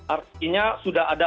artinya sudah ada